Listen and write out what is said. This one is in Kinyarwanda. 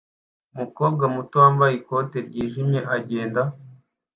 Umukobwa muto wambaye ikoti ryijimye agenda